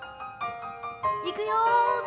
いくよ。